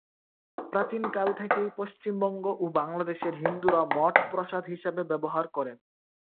প্রাচীন কাল থেকেই পশ্চিমবঙ্গ ও বাংলাদেশের হিন্দুরা মঠ প্রসাদ হিসাবে ব্যবহার করেন।